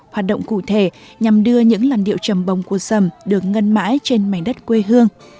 hoạt động cụ thể nhằm đưa những làn điệu trầm bông của sầm được ngân mãi trên mảnh đất quê hương